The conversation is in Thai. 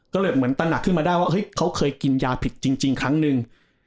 ก็เลยเหมือนตระหนักขึ้นมาได้ว่าเฮ้ยเขาเคยกินยาผิดจริงครั้งหนึ่ง